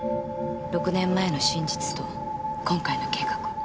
６年前の真実と今回の計画を。